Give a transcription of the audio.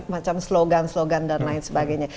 macam slogan slogan dan lain sebagainya